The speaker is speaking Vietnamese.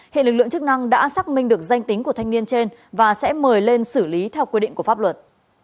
hệ lực lượng chức năng đã xác minh được danh tính của thanh niên trên và sẽ mời lên xử lý theo quy định của pháp luật